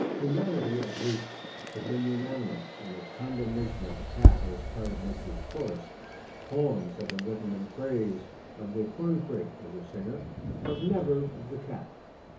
Humanity, at least, has been unanimous in its condemnation of the cat as part of nature's chorus. Poems have been written in praise of the corncrake as a singer, but never of the cat.